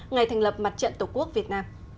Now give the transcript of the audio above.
ngày thành lập mặt trận tổ quốc việt nam